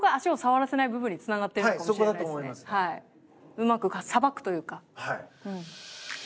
うまくさばくというか。